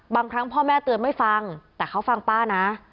ครั้งพ่อแม่เตือนไม่ฟังแต่เขาฟังป้านะ